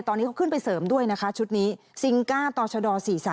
ตอนนี้เขาขึ้นไปเสริมด้วยนะคะชุดนี้ซิงก้าต่อชด๔๓